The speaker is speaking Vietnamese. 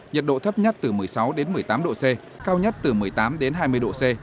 nhiệt độ thấp nhất từ một mươi sáu đến một mươi tám độ c cao nhất từ một mươi tám đến hai mươi độ c